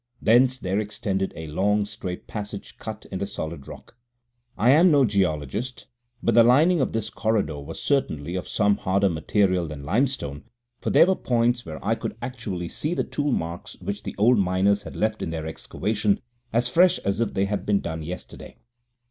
Thence there extended a long, straight passage cut in the solid rock. I am no geologist, but the lining of this corridor was certainly of some harder material than limestone, for there were points where I could actually see the tool marks which the old miners had left in their excavation, as fresh as if they had been done yesterday.